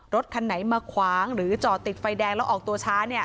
รถคันไหนมาขวางหรือจอดติดไฟแดงแล้วออกตัวช้า